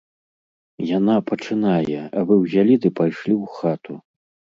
Яна пачынае, а вы ўзялі ды пайшлі ў хату!